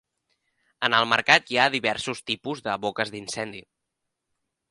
En el mercat hi ha diversos tipus de boques d'incendi.